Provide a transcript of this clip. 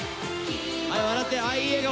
はい笑ってあいい笑顔！